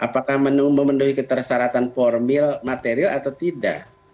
apakah memenuhi ketersyaratan formil material atau tidak